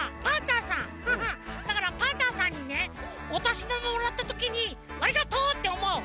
だからパンタンさんにねおとしだまもらったときに「ありがとう！」っておもう。